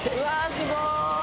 すごーい！